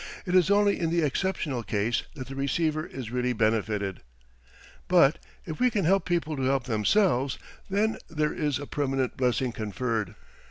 It is only in the exceptional case that the receiver is really benefited. But, if we can help people to help themselves, then there is a permanent blessing conferred.